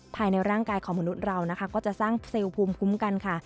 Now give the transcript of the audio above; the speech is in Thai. ภายในร่างกายของมนุษย์เรานะคะก็จะสร้างเซลล์ภูมิคุ้มกันค่ะ